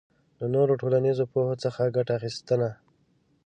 له نورو ټولنیزو پوهو څخه ګټه اخبستنه